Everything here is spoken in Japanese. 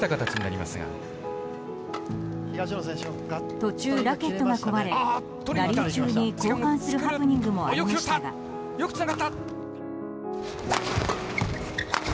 途中、ラケットが壊れラリー中に交換するハプニングもありましたが。